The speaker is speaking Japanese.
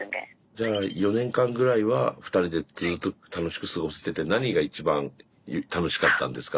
じゃあ４年間ぐらいは２人でずっと楽しく過ごしてて何が一番楽しかったんですか？